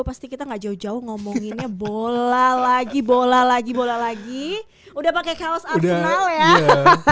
pasti kita gak jauh jauh ngomonginnya bola lagi bola lagi bola lagi udah pakai kaos arsenal ya